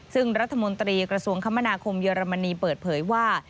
ซึ่งรัฐมนตรีกระทรวงคมนาคมเยอรมนีเปิดเผยว่า